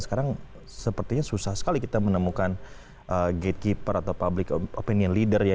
sekarang sepertinya susah sekali kita menemukan gatekeeper atau public opinion leader ya